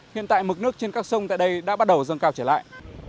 hiện tại mực nước trên các sông tại đây đã bắt đầu dâng cao trở lại